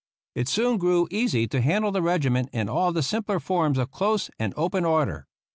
It soon grew easy to handle the regiment in all the simpler forms of close and open order.